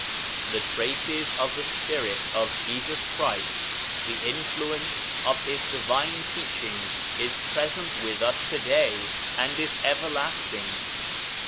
The traces of the Spirit of Jesus Christ, the influence of His Divine Teaching, is present with us to day, and is everlasting.